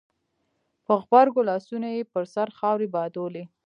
په غبرګو لاسونو يې پر سر خاورې بادولې.